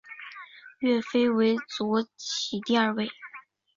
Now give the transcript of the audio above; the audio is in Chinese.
岳飞为左起第二位。